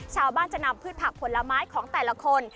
ชาวบ้านจะนำพืชผักผลไม้ของแต่ละคน